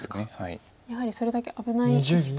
やはりそれだけ危ない石と。